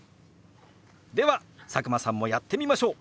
では佐久間さんもやってみましょう。